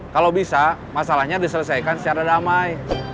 kalau bisa masalahnya diselesaikan secara damai